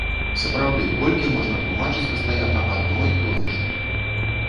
Сапраўды, колькі можна тлумачыць пастаянна адно і тое ж?